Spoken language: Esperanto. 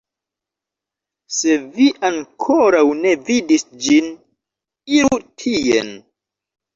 Se vi ankoraŭ ne vidis ĝin, iru tien